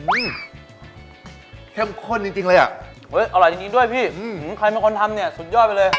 เข้มข้นจริงเลยอ่ะเฮ้ยอร่อยจริงด้วยพี่ใครเป็นคนทำเนี่ยสุดยอดไปเลย